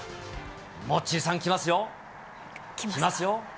モッチーさん、きますよ、きますよ。